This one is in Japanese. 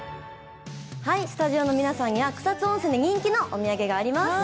スタジオの皆さんには草津温泉で人気のお土産があります。